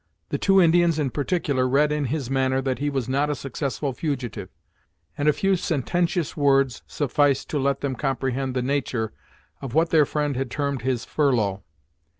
The two Indians, in particular, read in his manner that he was not a successful fugitive, and a few sententious words sufficed to let them comprehend the nature of what their friend had termed his 'furlough.'